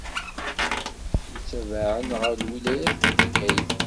Yettabaεen ɣer lwilaya n Bgayet.